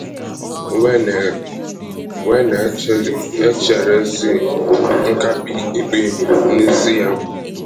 wee na-echerezị nkabì ikpe n'isi ya.